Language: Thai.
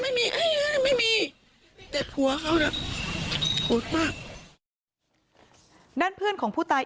ไม่มีคือเห็นเด็กพี่ใหญ่เห็นคนใหญ่พี่ใหญ่ให้เพิ่งใจกับทุกคน